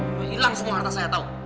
udah hilang semua harta saya tau